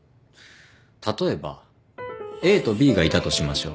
例えばＡとＢがいたとしましょう。